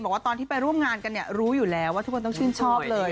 บอกว่าตอนที่ไปร่วมงานกันเนี่ยรู้อยู่แล้วว่าทุกคนต้องชื่นชอบเลย